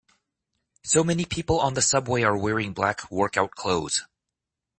So many people on the subway are wearing black workout clothes.